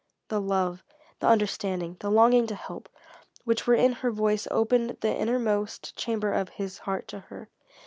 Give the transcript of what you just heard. The love, the understanding, the longing to help, which were in her voice opened that innermost chamber of his heart to her.